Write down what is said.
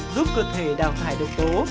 giúp cơ thể đào hải độc tố